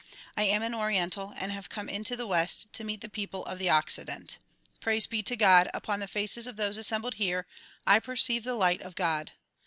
I am an oriental and have come into the west to meet the people of the Occident. Praise be to God! upon the faces of those assembled here I perceive the light of God.